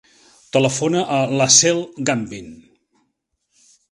Telefona a l'Aseel Gambin.